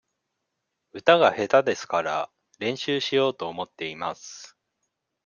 歌が下手ですから、練習しようと思っています。